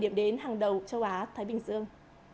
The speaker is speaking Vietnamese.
một mươi điểm đến hàng đầu châu á thái bình dương